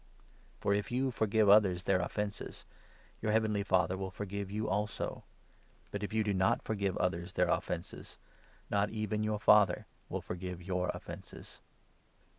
For, if you forgive others their offences, your heavenly Father 14 will forgive you also ; but, if you do not forgive others their 15 offences, not even your Father will forgive your offences.